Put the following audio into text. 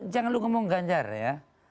jangan lo ngomong gajar ya